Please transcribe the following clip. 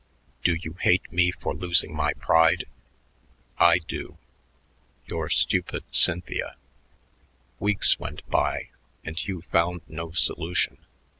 Do you hate me for losing my pride? I do. Your stupid CYNTHIA. Weeks went by, and Hugh found no solution.